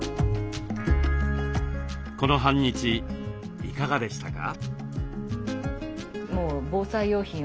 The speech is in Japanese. この半日いかがでしたか？